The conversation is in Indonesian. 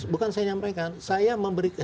bukan saya menyampaikan